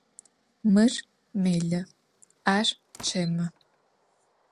Mır melı, ar çemı.